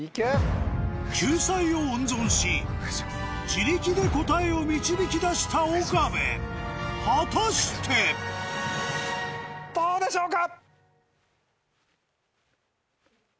救済を温存し自力で答えを導き出した岡部果たして⁉どうでしょうか！